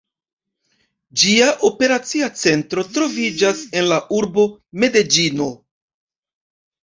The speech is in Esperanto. Ĝia operacia centro troviĝas en la urbo Medeĝino.